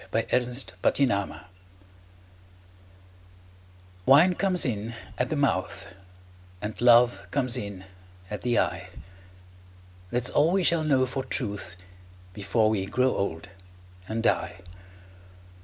A DRINKING SONG Wine comes in at the mouth And love comes in at the eye; That's all we shall know for truth Before we grow old and die.